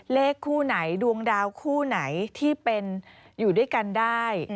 เลขคู่ไหนดวงดาวคู่ไหนที่เป็นอยู่ด้วยกันได้